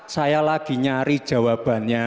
saya lagi nyari jawabannya